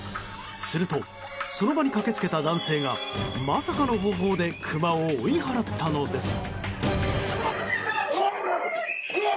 するとその場に駆け付けた男性がまさかの方法でクマを追い払ったのです。